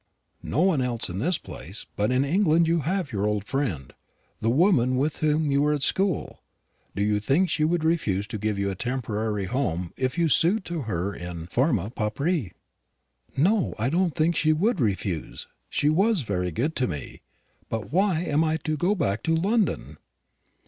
"No one else in this place. But in England you have your old friend, the woman with whom you were at school. Do you think she would refuse to give you a temporary home if you sued to her in formâ pauperis?" "No, I don't think she would refuse. She was very good to me. But why am I to go back to London?"